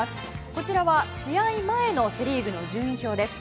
こちらは試合前のセ・リーグの順位表です。